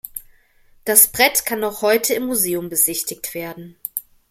Das Brett kann noch heute im Museum besichtigt werden.